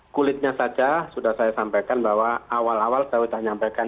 kulitnya saja sudah saya sampaikan bahwa awal awal saya sudah menyampaikan